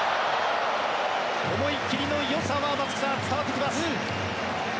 思い切りのよさは松木さん、伝わってきます。